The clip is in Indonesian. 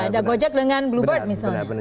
ada gojek dengan bluebird misalnya